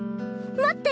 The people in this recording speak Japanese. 待って！